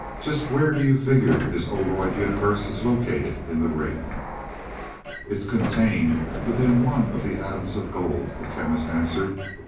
"Just where do you figure this Oroid universe is located in the ring?" "It is contained within one of the atoms of gold," the Chemist answered.